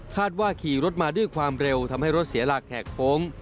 ว่าขี่รถมาด้วยความเร็วทำให้รถเสียหลักแหกโค้ง